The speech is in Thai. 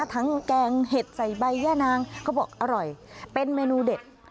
ทั้งแกงเห็ดใส่ใบแย่นางก็บอกอร่อยเป็นเมนูเด็ด